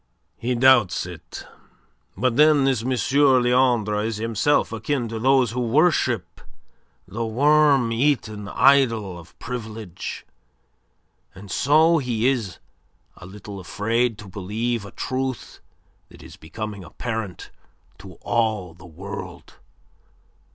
"He doubts it," he was telling the audience. "But then this M. Leandre is himself akin to those who worship the worm eaten idol of Privilege, and so he is a little afraid to believe a truth that is becoming apparent to all the world.